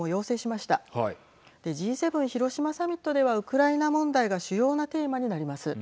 Ｇ７広島サミットではウクライナ問題が主要なテーマになります。